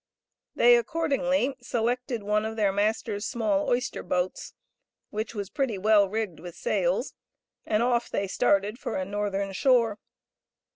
They accordingly selected one of their master's small oyster boats, which was pretty well rigged with sails, and off they started for a Northern Shore.